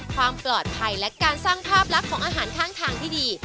ความปลอดภัยและการสร้างภาพลักษณ์ของอาหารข้างทางที่ดี